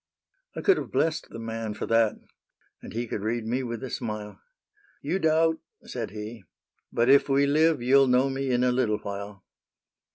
I could have blessed the man for that. And he could read me with a smile : SAINTE NITOUCHE 1 5 5 You doubt/* said he, " but if we live You '11 know me in a little while."